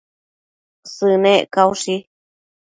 Sënec caushi